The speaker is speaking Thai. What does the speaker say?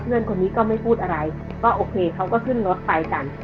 เพื่อนคนนี้ก็ไม่พูดอะไรก็โอเคเขาก็ขึ้นรถไปกัน